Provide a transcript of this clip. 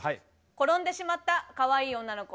「転んでしまったかわいい女の子」。